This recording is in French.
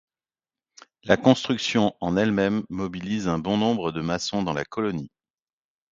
La construction en elle-même mobilise un bon nombre de maçons dans la colonie.